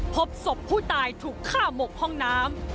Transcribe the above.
พบศพผู้ตายถูกฆ่าหมกห้องน้ำ